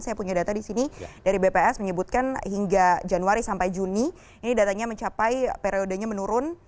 saya punya data di sini dari bps menyebutkan hingga januari sampai juni ini datanya mencapai periodenya menurun